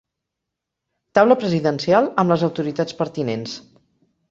Taula presidencial amb les autoritats pertinents.